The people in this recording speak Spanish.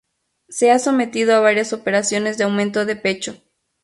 Se ha sometido a varias operaciones de aumento de pecho.